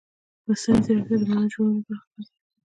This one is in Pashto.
مصنوعي ځیرکتیا د معنا جوړونې برخه ګرځي.